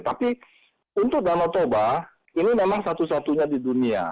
tapi untuk danau toba ini memang satu satunya di dunia